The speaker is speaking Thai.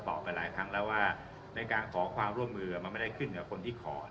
บอกไปหลายครั้งแล้วว่าในการขอความร่วมมือมันไม่ได้ขึ้นกับคนที่ขอ